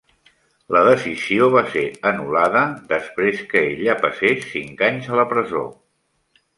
La decisió va ser anul·lada després que ella passés cinc anys a la presó.